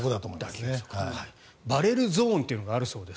バレルゾーンというのがあるそうです。